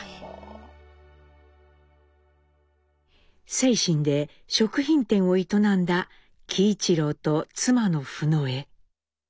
清津で食品店を営んだ喜一郎と妻のフノエ。